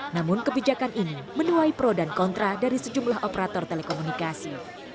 namun kebijakan ini menuai pro dan kontra dari sejumlah operator telekomunikasi